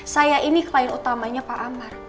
saya ini klien utamanya pak amar